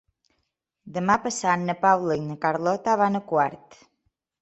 Demà passat na Paula i na Carlota van a Quart.